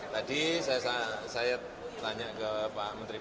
tadi saya tanya ke pak menteri